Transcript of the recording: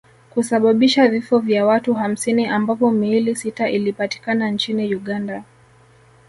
kusababisha vifo vya watu hamsini ambapo miili sita ilipatikana nchini Uganda